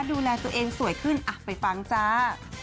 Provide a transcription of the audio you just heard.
ดูแลตัวเองสวยขึ้นไปฟังจ้า